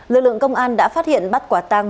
lực lượng công an đã phát hiện bắt quả tăng